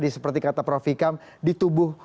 seperti kata prof ikam di tubuh